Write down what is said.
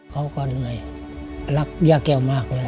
เขาก็เหนื่อยรักย่าแก้วมากเลย